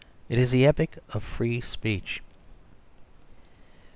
It is the epic of free speech.